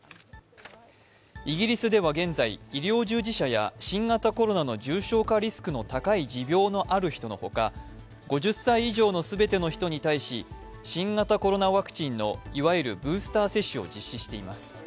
イギリスでは現在、医療従事者や新型コロナの重症化リスクの高い持病のある人の他、５０歳以上の全ての人に対し、新型コロナワクチンのいわゆるブースター接種を実施しています。